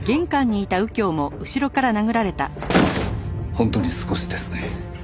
本当に少しですね。